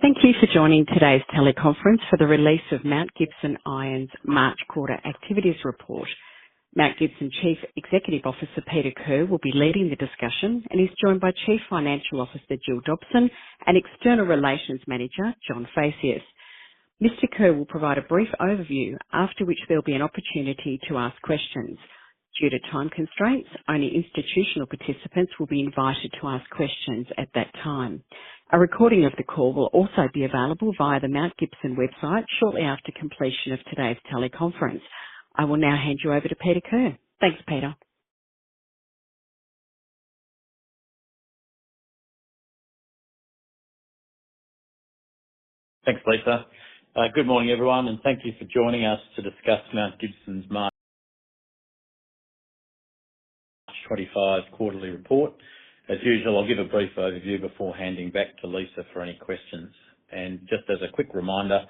Thank you for joining today's teleconference for the release of Mount Gibson Iron's March Quarter Activities Report. Mount Gibson Iron's Chief Executive Officer Peter Kerr will be leading the discussion and is joined by Chief Financial Officer Jill Dobson and External Relations Manager John Phaceas. Mr. Kerr will provide a brief overview, after which there'll be an opportunity to ask questions. Due to time constraints, only institutional participants will be invited to ask questions at that time. A recording of the call will also be available via the Mount Gibson Iron website shortly after completion of today's teleconference. I will now hand you over to Peter Kerr. Thanks, Peter. Thanks, Lisa. Good morning, everyone, and thank you for joining us to discuss Mount Gibson's March 2025 Quarterly Report. As usual, I'll give a brief overview before handing back to Lisa for any questions, and just as a quick reminder,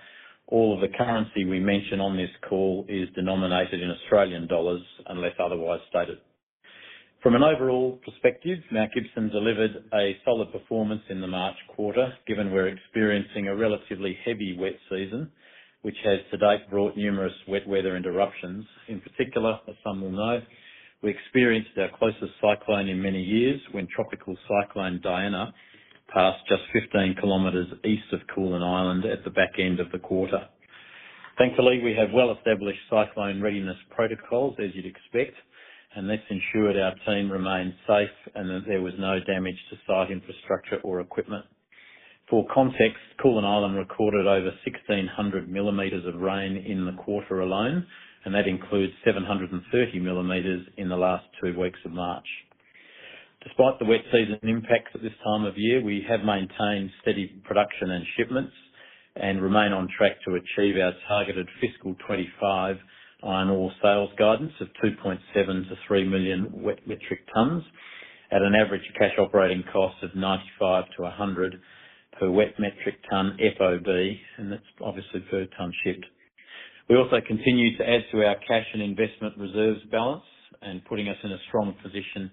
all of the currency we mention on this call is denominated in Australian dollars unless otherwise stated. From an overall perspective, Mount Gibson delivered a solid performance in the March quarter, given we're experiencing a relatively heavy wet season, which has to date brought numerous wet weather interruptions. In particular, as some will know, we experienced our closest cyclone in many years when Tropical Cyclone Diana passed just 15 kilometers east of Koolan Island at the back end of the quarter. Thankfully, we have well-established cyclone readiness protocols, as you'd expect, and this ensured our team remained safe and that there was no damage to site infrastructure or equipment. For context, Koolan Island recorded over 1,600 millimeters of rain in the quarter alone, and that includes 730 millimeters in the last two weeks of March. Despite the wet season impacts at this time of year, we have maintained steady production and shipments and remain on track to achieve our targeted fiscal 2025 iron ore sales guidance of 2.7-3 million wet metric tonnes at an average cash operating cost of 95-100 per wet metric tonne FOB, and that's obviously per tonne shipped. We also continue to add to our cash and investment reserves balance and putting us in a strong position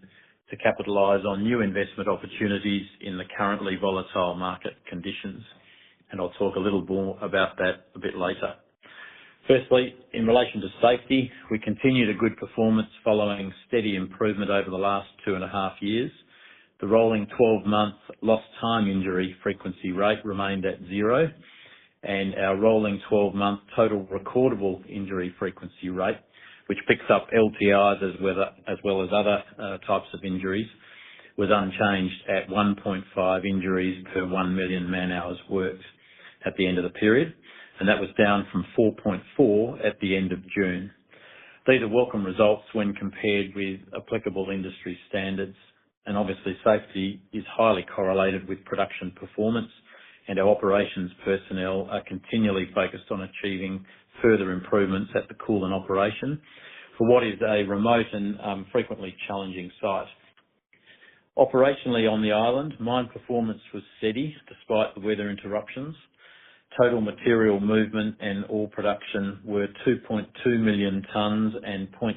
to capitalize on new investment opportunities in the currently volatile market conditions, and I'll talk a little more about that a bit later. Firstly, in relation to safety, we continued a good performance following steady improvement over the last two and a half years. The rolling 12-month lost time injury frequency rate remained at zero, and our rolling 12-month total recordable injury frequency rate, which picks up LTIs as well as other types of injuries, was unchanged at 1.5 injuries per 1 million man-hours worked at the end of the period, and that was down from 4.4 at the end of June. These are welcome results when compared with applicable industry standards, and obviously, safety is highly correlated with production performance, and our operations personnel are continually focused on achieving further improvements at the Koolan operation for what is a remote and frequently challenging site. Operationally on the island, mine performance was steady despite the weather interruptions. Total material movement and ore production were 2.2 million tonnes and 0.6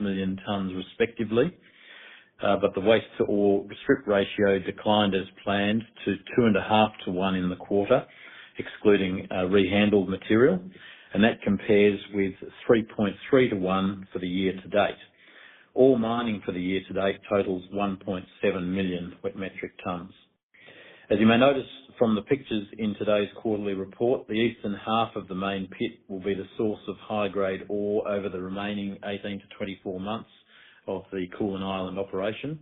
million tonnes, respectively, but the waste-to-ore strip ratio declined as planned to 2.5 to 1 in the quarter, excluding rehandled material, and that compares with 3.3 to 1 for the year to date. All mining for the year to date totals 1.7 million wet metric tonnes. As you may notice from the pictures in today's quarterly report, the eastern half of the main pit will be the source of high-grade ore over the remaining 18 to 24 months of the Koolan Island operation.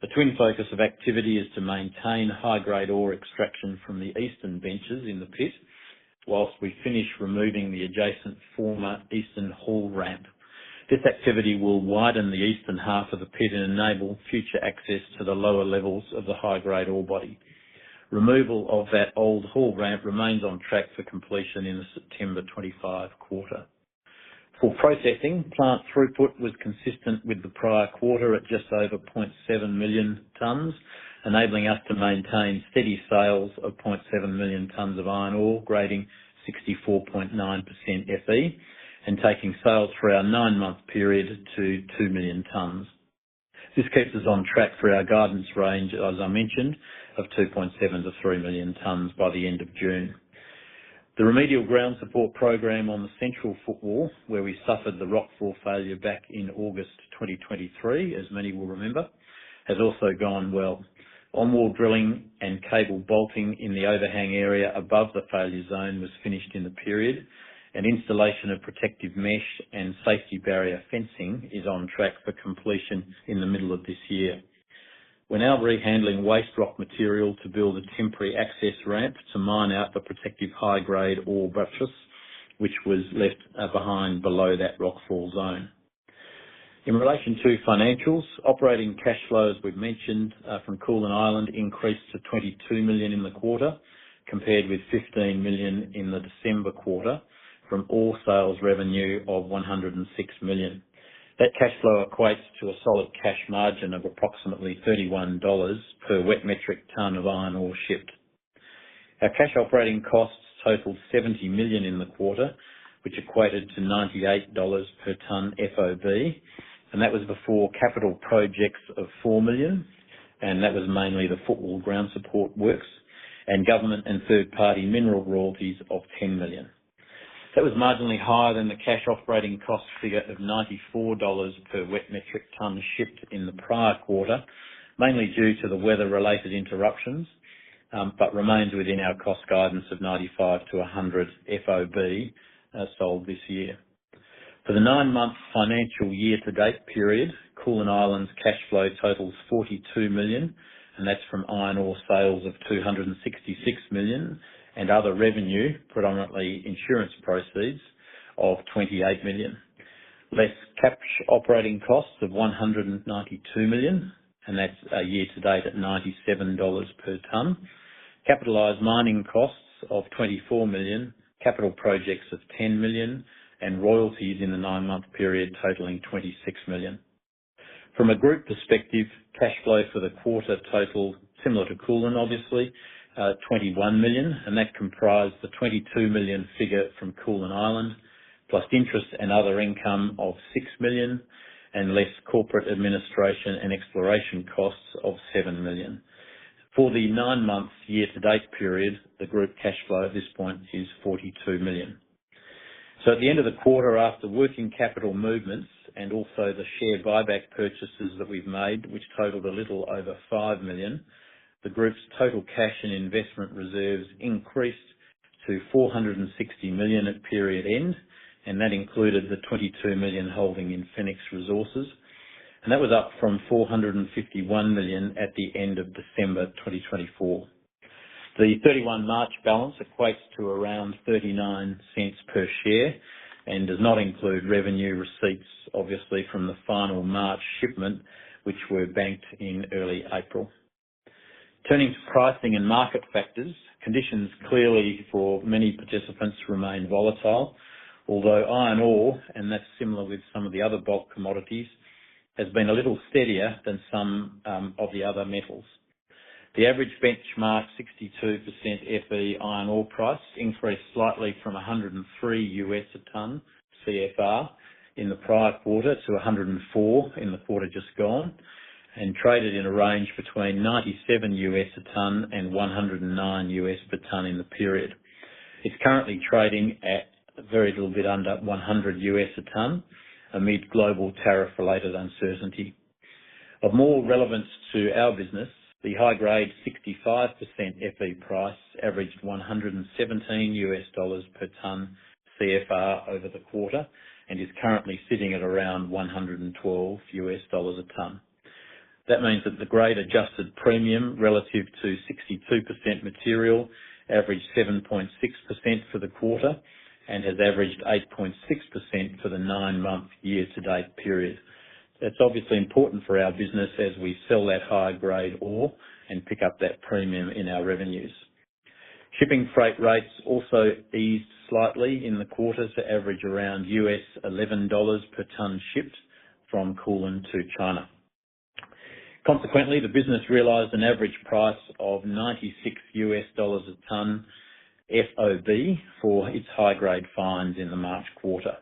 The twin focus of activity is to maintain high-grade ore extraction from the eastern benches in the pit whilst we finish removing the adjacent former eastern haul ramp. This activity will widen the eastern half of the pit and enable future access to the lower levels of the high-grade ore body. Removal of that old haul ramp remains on track for completion in the September 2025 quarter. For processing, plant throughput was consistent with the prior quarter at just over 0.7 million tonnes, enabling us to maintain steady sales of 0.7 million tonnes of iron ore, grading 64.9% Fe, and taking sales for our nine-month period to 2 million tonnes. This keeps us on track for our guidance range, as I mentioned, of 2.7 to 3 million tonnes by the end of June. The remedial ground support program on the central footwall, where we suffered the rock fall failure back in August 2023, as many will remember, has also gone well. On-wall drilling and cable bolting in the overhang area above the failure zone was finished in the period, and installation of protective mesh and safety barrier fencing is on track for completion in the middle of this year. We're now rehandling waste rock material to build a temporary access ramp to mine out the protective high-grade ore buttress, which was left behind below that rock fall zone. In relation to financials, operating cash flows, we've mentioned from Koolan Island increased to 22 million in the quarter, compared with 15 million in the December quarter from all sales revenue of 106 million. That cash flow equates to a solid cash margin of approximately 31 dollars per wet metric tonne of iron ore shipped. Our cash operating costs totaled 70 million in the quarter, which equated to 98 dollars per tonne FOB, and that was before capital projects of 4 million, and that was mainly the footwall ground support works and government and third-party mineral royalties of 10 million. That was marginally higher than the cash operating cost figure of $94 per wet metric tonne shipped in the prior quarter, mainly due to the weather-related interruptions, but remains within our cost guidance of 95-100 FOB sold this year. For the nine-month financial year-to-date period, Koolan Island's cash flow totals 42 million, and that's from iron ore sales of 266 million and other revenue, predominantly insurance proceeds, of 28 million. Less cash operating costs of 192 million, and that's year-to-date at $97 per tonne. Capitalized mining costs of 24 million, capital projects of 10 million, and royalties in the nine-month period totaling 26 million. From a group perspective, cash flow for the quarter totaled, similar to Koolan obviously, 21 million, and that comprised the 22 million figure from Koolan Island, plus interest and other income of 6 million, and less corporate administration and exploration costs of 7 million. For the nine-month year-to-date period, the group cash flow at this point is 42 million. So at the end of the quarter, after working capital movements and also the share buyback purchases that we've made, which totaled a little over 5 million, the group's total cash and investment reserves increased to 460 million at period end, and that included the 22 million holding in Fenix Resources, and that was up from 451 million at the end of December 2024. The 31 March balance equates to around 0.39 per share and does not include revenue receipts, obviously, from the final March shipment, which were banked in early April. Turning to pricing and market factors, conditions clearly for many participants remain volatile, although iron ore, and that's similar with some of the other bulk commodities, has been a little steadier than some of the other metals. The average benchmark 62% Fe iron ore price increased slightly from $103 a tonne CFR in the prior quarter to $104 in the quarter just gone, and traded in a range between $97 a tonne and $109 per tonne in the period. It's currently trading at very little bit under $100 a tonne amid global tariff-related uncertainty. Of more relevance to our business, the high-grade 65% Fe price averaged $117 per tonne CFR over the quarter and is currently sitting at around $112 a tonne. That means that the grade adjusted premium relative to 62% material averaged 7.6% for the quarter and has averaged 8.6% for the nine-month year-to-date period. That's obviously important for our business as we sell that high-grade ore and pick up that premium in our revenues. Shipping freight rates also eased slightly in the quarter to average around $11 per tonne shipped from Koolan Island to China. Consequently, the business realized an average price of $96 a tonne FOB for its high-grade Fines in the March quarter.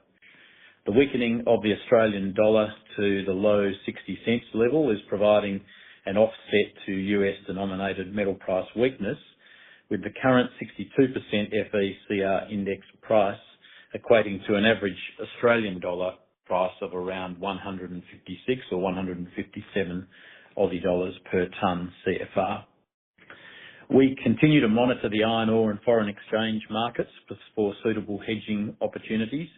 The weakening of the Australian dollar to the low 60 cents level is providing an offset to USD-denominated metal price weakness, with the current 62% Fe CFR index price equating to an average Australian dollar price of around 156 or 157 Aussie dollars per tonne CFR. We continue to monitor the iron ore and foreign exchange markets for suitable hedging opportunities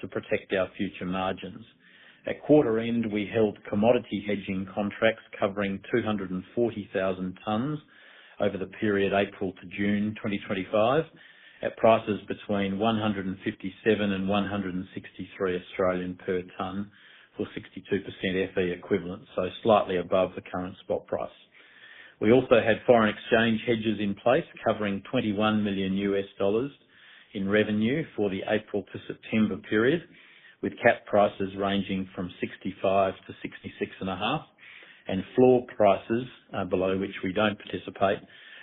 to protect our future margins. At quarter end, we held commodity hedging contracts covering 240,000 tonnes over the period April to June 2025 at prices between 157 and 163 Australian per tonne for 62% Fe equivalent, so slightly above the current spot price. We also had foreign exchange hedges in place covering $21 million in revenue for the April to September period, with cap prices ranging from 65-66.5, and floor prices, below which we don't participate,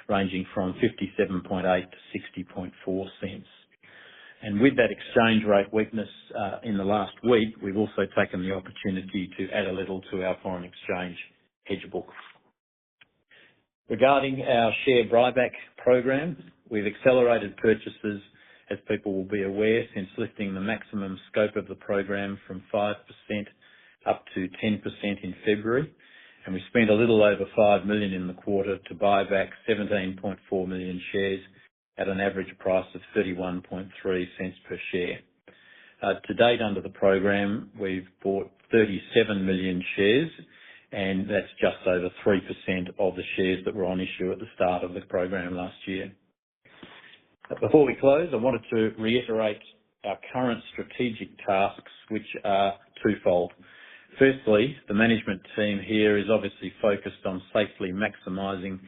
ranging from 57.8-60.4 cents, and with that exchange rate weakness in the last week, we've also taken the opportunity to add a little to our foreign exchange hedge book. Regarding our share buyback program, we've accelerated purchases, as people will be aware, since lifting the maximum scope of the program from 5% up to 10% in February, and we spent a little over 5 million in the quarter to buy back 17.4 million shares at an average price of 0.313 per share. To date, under the program, we've bought 37 million shares, and that's just over 3% of the shares that were on issue at the start of the program last year. Before we close, I wanted to reiterate our current strategic tasks, which are twofold. Firstly, the management team here is obviously focused on safely maximizing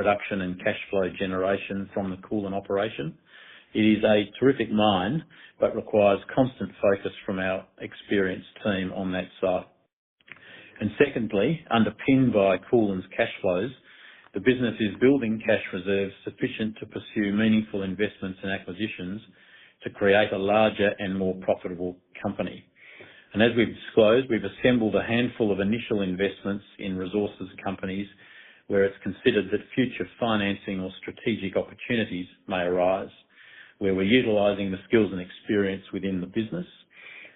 production and cash flow generation from the Koolan operation. It is a terrific mine but requires constant focus from our experienced team on that site. And secondly, underpinned by Koolan's cash flows, the business is building cash reserves sufficient to pursue meaningful investments and acquisitions to create a larger and more profitable company. As we've disclosed, we've assembled a handful of initial investments in resources companies where it's considered that future financing or strategic opportunities may arise, where we're utilizing the skills and experience within the business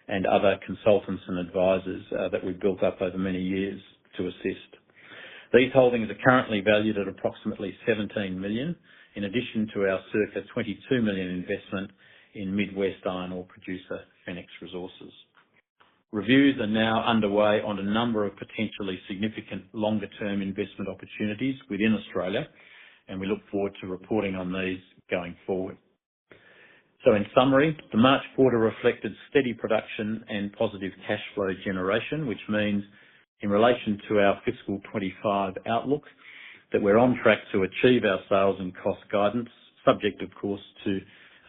and other consultants and advisors that we've built up over many years to assist. These holdings are currently valued at approximately 17 million, in addition to our circa 22 million investment in Mid West iron ore producer Fenix Resources. Reviews are now underway on a number of potentially significant longer-term investment opportunities within Australia, and we look forward to reporting on these going forward. So in summary, the March quarter reflected steady production and positive cash flow generation, which means in relation to our fiscal '25 outlook that we're on track to achieve our sales and cost guidance, subject, of course, to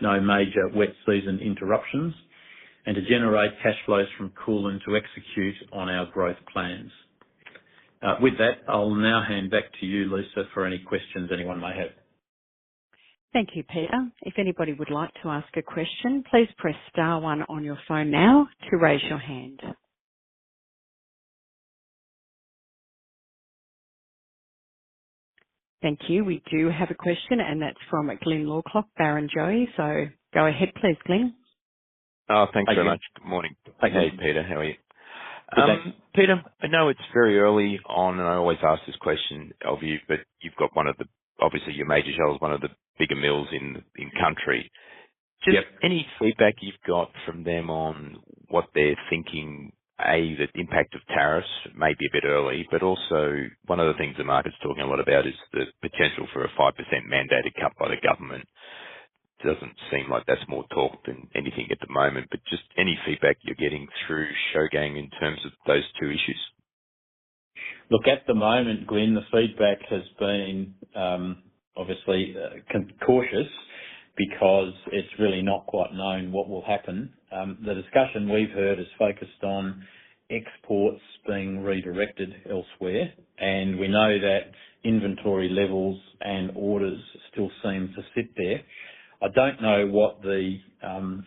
no major wet season interruptions, and to generate cash flows from Koolan to execute on our growth plans. With that, I'll now hand back to you, Lisa, for any questions anyone may have. Thank you, Peter. If anybody would like to ask a question, please press star one on your phone now to raise your hand. Thank you. We do have a question, and that's from Glyn Lawcock, Barrenjoey. So go ahead, please, Glyn. Thanks very much. Good morning. Hey, Peter. How are you? Good day. Peter, I know it's very early on, and I always ask this question of you, but you've got one of the, obviously, your major shareholder is one of the bigger mills in country. Just any feedback you've got from them on what they're thinking, A, the impact of tariffs, maybe a bit early, but also one of the things the market's talking a lot about is the potential for a 5% mandated cut by the government. Doesn't seem like that's more talk than anything at the moment, but just any feedback you're getting through Shougang in terms of those two issues? Look, at the moment, Glyn, the feedback has been obviously cautious because it's really not quite known what will happen. The discussion we've heard is focused on exports being redirected elsewhere, and we know that inventory levels and orders still seem to sit there.I don't know what the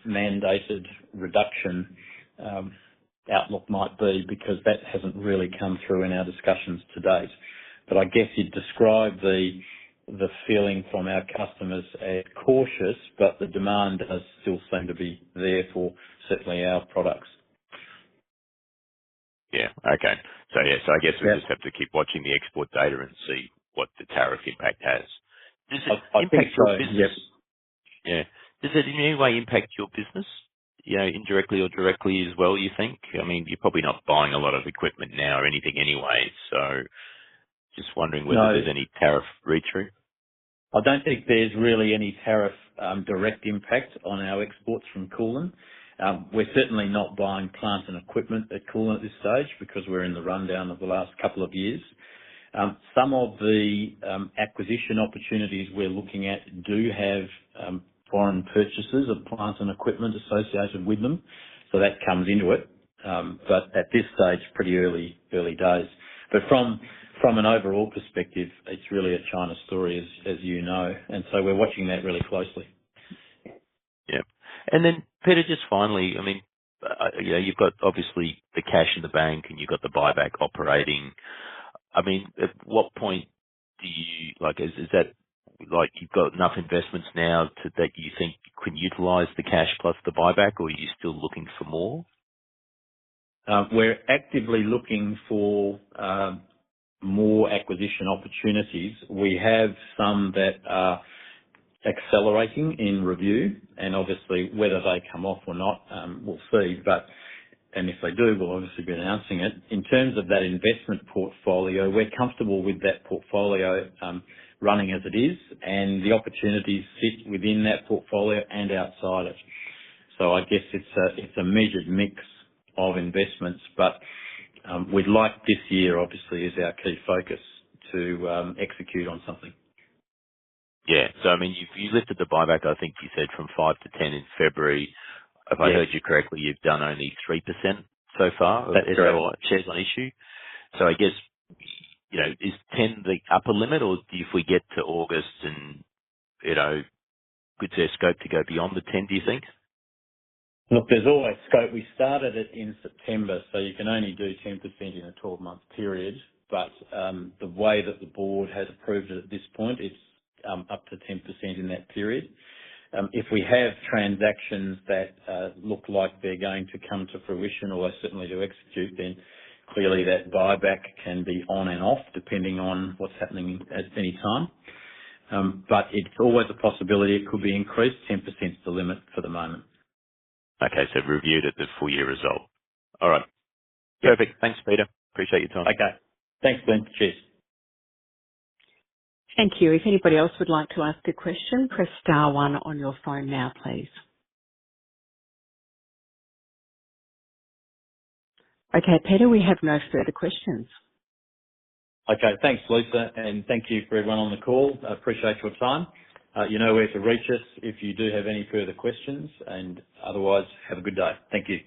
mandated reduction outlook might be because that hasn't really come through in our discussions to date, but I guess you'd describe the feeling from our customers as cautious, but the demand does still seem to be there for certainly our products. Yeah. Okay. So yeah, so I guess we just have to keep watching the export data and see what the tariff impact has. Does it impact your business? Yeah. Does it in any way impact your business, indirectly or directly as well, you think? I mean, you're probably not buying a lot of equipment now or anything anyway, so just wondering whether there's any tariff read-through. I don't think there's really any tariff direct impact on our exports from Koolan. We're certainly not buying plant and equipment at Koolan at this stage because we're in the rundown of the last couple of years. Some of the acquisition opportunities we're looking at do have foreign purchases of plant and equipment associated with them, so that comes into it, but at this stage, pretty early, early days, but from an overall perspective, it's really a China story, as you know, and so we're watching that really closely. Yeah. And then, Peter, just finally, I mean, you've got obviously the cash in the bank and you've got the buyback operating. I mean, at what point do you is that you've got enough investments now that you think you can utilize the cash plus the buyback, or are you still looking for more? We're actively looking for more acquisition opportunities. We have some that are accelerating in review, and obviously, whether they come off or not, we'll see, but if they do, we'll obviously be announcing it. In terms of that investment portfolio, we're comfortable with that portfolio running as it is, and the opportunities sit within that portfolio and outside it. So I guess it's a measured mix of investments, but we'd like this year, obviously, as our key focus, to execute on something. Yeah. So I mean, you've lifted the buyback, I think you said, from 5% to 10% in February. If I heard you correctly, you've done only 3% so far of shares on issue. So I guess, is 10% the upper limit, or if we get to August, and could there be scope to go beyond the 10%, do you think? Look, there's always scope. We started it in September, so you can only do 10% in a 12-month period, but the way that the board has approved it at this point, it's up to 10% in that period. If we have transactions that look like they're going to come to fruition or are certainly to execute, then clearly that buyback can be on and off depending on what's happening at any time, but it's always a possibility it could be increased. 10% is the limit for the moment. Okay. So reviewed at the full year result. All right. Perfect. Thanks, Peter. Appreciate your time. Okay. Thanks, Glyn. Cheers. Thank you. If anybody else would like to ask a question, press star one on your phone now, please. Okay, Peter, we have no further questions. Okay. Thanks, Lisa, and thank you for everyone on the call. I appreciate your time. You know where to reach us if you do have any further questions, and otherwise, have a good day. Thank you.